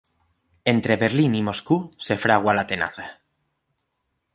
Entre Berlín y Moscú se fragua la tenaza.